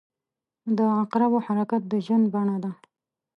• د عقربو حرکت د ژوند بڼه ده.